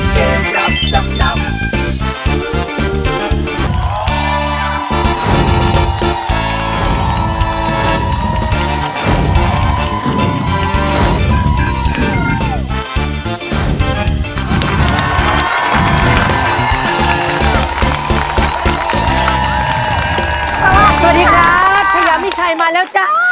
สวัสดีครับชายามิชัยมาแล้วจ้า